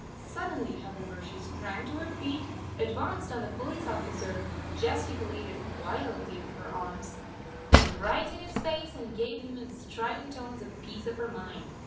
Suddenly, however, she sprang to her feet, advanced on the police officer, gesticulated violently with her arms right in his face, and gave him, in strident tones, a piece of her mind.